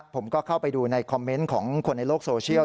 ผมก็เข้าไปดูในคอมเมนต์ของคนในโลกโซเชียล